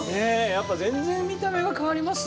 やっぱ全然見た目が変わりますね